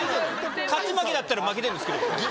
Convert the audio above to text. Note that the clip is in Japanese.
勝ち負けだったら負けてるんですけど。